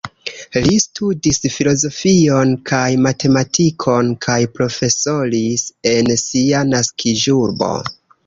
Li studis filozofion kaj matematikon kaj profesoris en sia naskiĝurbo.